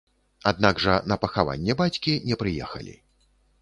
Аднак жа на пахаванне бацькі не прыехалі.